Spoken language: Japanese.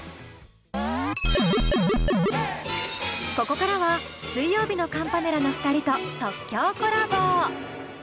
ここからは水曜日のカンパネラの２人と即興コラボ。